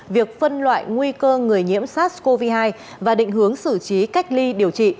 việc phân loại nguy cơ người nhiễm sars cov hai và định hướng xử trí cách ly điều trị